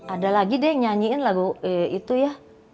ada lagi deh yang nyanyiin lagu itu ya